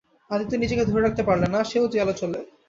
আদিত্য নিজেকে ধরে রাখতে পারলে না, সেও গেল চলে।